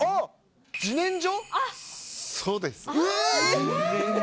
そうです。